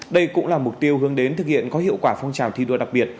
đây cũng là mục tiêu hướng đến thực hiện có hiệu quả phong trào thi đua đặc biệt